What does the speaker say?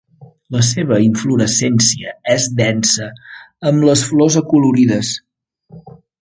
La seva inflorescència és densa amb les flors acolorides.